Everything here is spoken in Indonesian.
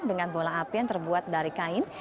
dengan bola api yang terbuat dari kain